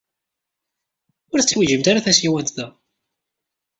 Ur tetteḥwijimt ara tasiwant da.